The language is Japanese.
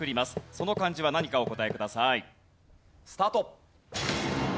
その漢字は何かお答えください。スタート。